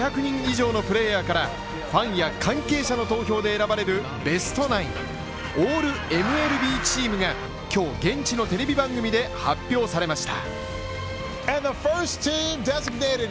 メジャーリーグ全３０球団で１５００人以上のプレイヤーからファンや関係者の投票で選ばれるベストナインオールＭＬＢチームが今日現地のテレビ番組で発表されました。